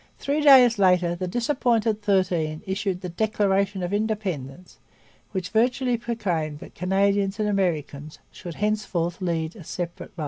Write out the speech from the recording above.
Three days later the disappointed Thirteen issued the Declaration of Independence which virtually proclaimed that Canadians and Americans should thenceforth live a separate life.